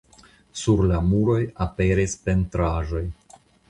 Sur la muroj aperis pentraĵoj.